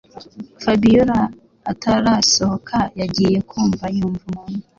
fabiora atarasohoka yagiye kumva yumva umuntu